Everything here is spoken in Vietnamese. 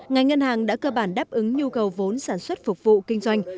ngành ngân hàng đã cơ bản đáp ứng nhu cầu vốn sản xuất phục vụ kinh doanh